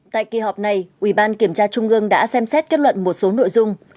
tại kỳ họp này ủy ban kiểm tra trung ương đã xem xét kết luận một số nội dung